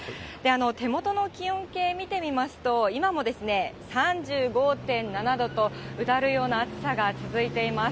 手元の気温計見てみますと、今も３５．７度と、うだるような暑さが続いています。